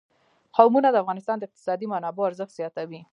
قومونه د افغانستان د اقتصادي منابعو ارزښت زیاتوي.